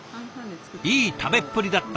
「いい食べっぷりだった！」